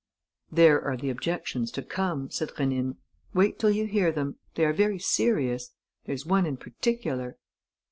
"There are the objections to come," said Rénine. "Wait till you hear them. They are very serious. There's one in particular...."